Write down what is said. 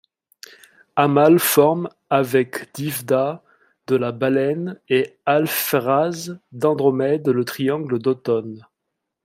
Hamal forme avec Diphda de la Baleine et Alphératz d'Andromède le Triangle d'automne.